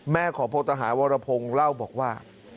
แม่ของพลทหารวรพงศ์เล่าบอกว่า